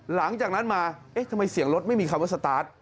หลังจากนั้นมาเอ๊ะทำไมเสียงรถไม่มีคำว่าสตาร์ท